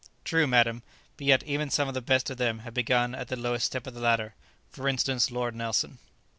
"True, madam; but yet even some of the best of them have begun at the lowest step of the ladder. For instance, Lord Nelson."